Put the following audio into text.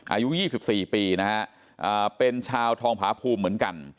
อายุ๒๔ปีนะฮะเป็นชาวทองผาภูมิเหมือนกัน